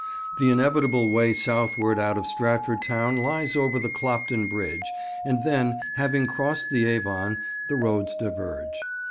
The inevitable way southward out of Stratford town lies over the Clopton Bridge, and then, having crossed the Avon, the roads diverge.